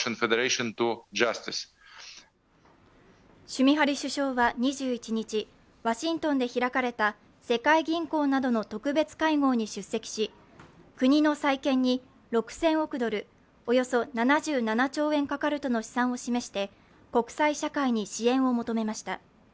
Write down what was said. シュミハリ首相は２１日、ワシントンで開かれた世界銀行などの特別会合に出席し国の再建に６０００億ドル＝およそ７７兆円かかるとの試算を示して国際社会に支援を求めました。